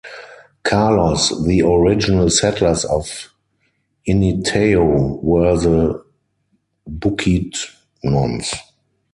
Carlos, the original settlers of Initao were the Bukidnons.